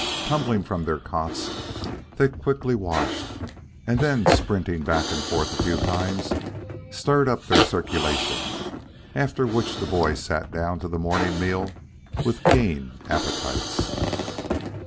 Tumbling from their cots, they quickly washed; and then sprinting back and forth a few times, stirred up their circulation, after which the boys sat down to the morning meal with keen appetites.